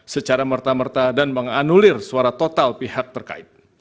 secara merta merta dan menganulir suara total pihak terkait